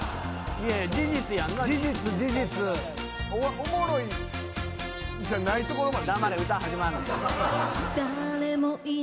おもろいじゃないところまで。